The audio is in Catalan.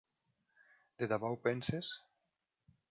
De debò ho penses?